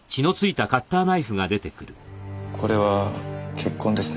これは血痕ですね。